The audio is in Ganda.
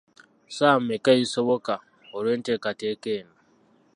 Saawa mmeka ezisoboka olw’enteekateeka eno?